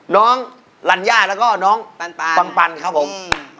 น้องลัญญาและก็น้องปัญครับผม